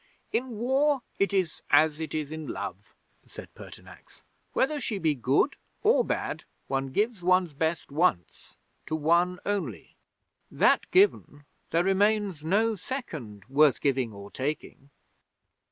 '"In War it is as it is in Love," said Pertinax. "Whether she be good or bad, one gives one's best once, to one only. That given, there remains no second worth giving or taking."